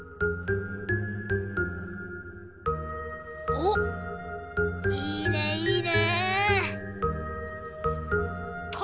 おっいいねいいね。